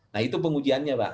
nah itu pengujiannya pak